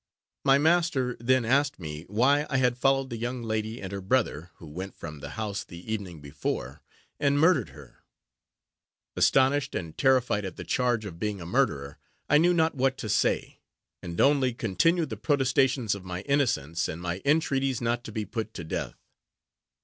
My master then asked me why I had followed the young lady and her brother, who went from the house the evening before, and murdered her? Astonished and terrified at the charge of being a murderer, I knew not what to say; and only continued the protestations of my innocence, and my entreaties not to be put to death.